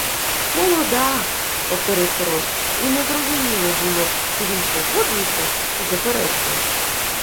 — Молода... — повторив король, і незрозуміле було, чи він погоджується, чи заперечує.